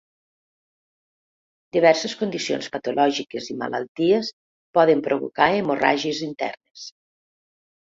Diverses condicions patològiques i malalties poden provocar hemorràgies internes.